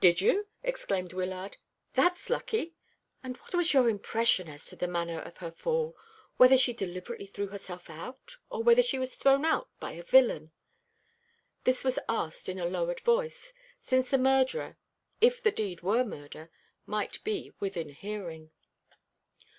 "Did you?" exclaimed Wyllard. "That's lucky! And what was your impression as to the manner of her fall whether she deliberately threw herself out, or whether she was thrown out by a villain?" This was asked in a lowered voice; since the murderer, if the deed were murder, might be within hearing.